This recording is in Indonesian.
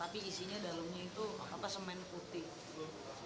tapi isinya dalunya itu apa semen putih